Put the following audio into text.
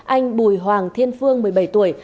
anh bùi hoàng thiên phương một mươi bảy tuổi